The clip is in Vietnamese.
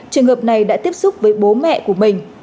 trường hợp này đã tiếp xúc với bố mẹ của mình